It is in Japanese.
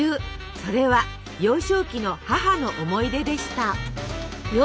それは幼少期の母の思い出でした。